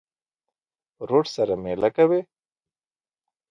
ورور سره مېله کوې.